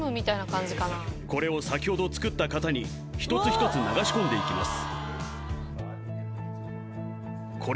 これを先ほど作った型に一つ一つ流し込んでいきます